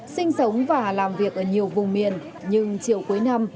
sinh sống và làm việc ở nhiều vùng miền nhưng chiều cuối năm